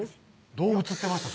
どう映ってました？